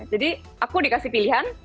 jadi aku dikasih pilihan